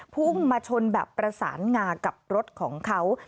พุ่งมาชนแบบประสานงากับรถของเขา